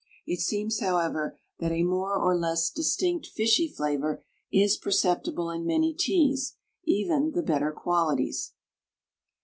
It seems, however, that a more or less distinct fishy flavor is perceptible in many teas, even the better qualities.